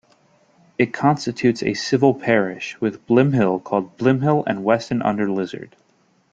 It constitutes a civil parish with Blymhill, called Blymhill and Weston-under-Lizard.